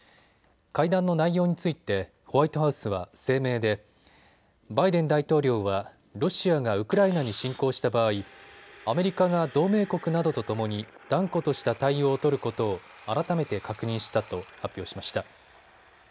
会談の内容についてホワイトハウスは声明でバイデン大統領はロシアがウクライナに侵攻した場合、アメリカが同盟国などとともに断固とした対応を取ることを改めて確認したと発表しました。